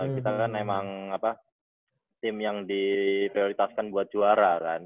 kita kan emang apa tim yang diprioritaskan buat juara kan